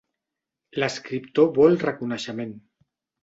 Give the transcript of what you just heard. L'escriptor vol reconeixement.